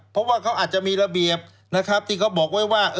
เพราะว่าเขาอาจจะมีระเบียบนะครับที่เขาบอกไว้ว่า